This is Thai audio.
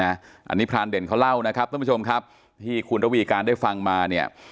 อันนี้พรานเด่นเขาเล่านะครับท่านผู้ชมครับที่คุณระวีการได้ฟังมาเนี่ย